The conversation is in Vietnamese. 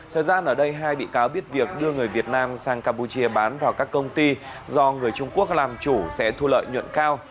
thời gian ở đây hai bị cáo biết việc đưa người việt nam sang campuchia bán vào các công ty do người trung quốc làm chủ sẽ thu lợi nhuận cao